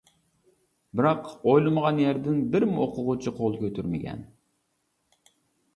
بىراق ئويلىمىغان يەردىن بىرمۇ ئوقۇغۇچى قول كۆتۈرمىگەن.